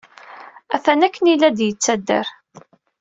Atan akken ay la d-yettader.